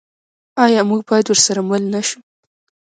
آیا موږ باید ورسره مل نشو؟